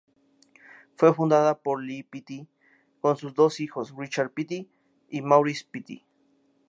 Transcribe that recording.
Fue fundada por Lee Petty con sus dos hijos, Richard Petty y Maurice Petty.